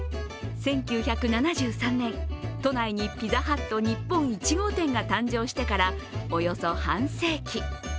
１９７３年、都内にピザハット日本１号店が誕生してから、およそ半世紀。